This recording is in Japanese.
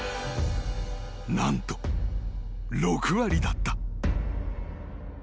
なんと６割だった。